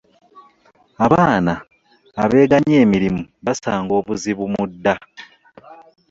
Abaana abeeganya emirimu basanga obuzibu mu dda.